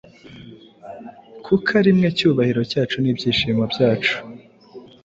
Kuko ari mwe cyubahiro cyacu n’ibyishimo byacu.”